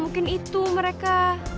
mungkin itu mereka